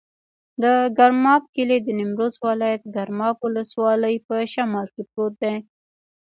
د ګرماب کلی د نیمروز ولایت، ګرماب ولسوالي په شمال کې پروت دی.